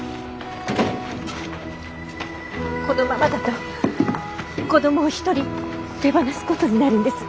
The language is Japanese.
このままだと子供を一人手放すことになるんです。